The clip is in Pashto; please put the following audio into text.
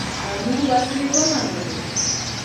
امیر وسلې ومنلې.